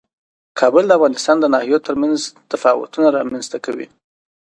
کابل د افغانستان د ناحیو ترمنځ تفاوتونه رامنځ ته کوي.